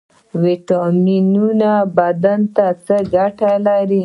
ویټامینونه بدن ته څه ګټه لري؟